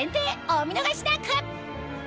お見逃しなく！